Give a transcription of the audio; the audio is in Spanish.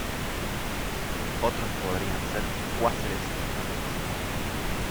Otros podrían ser cuásares distantes.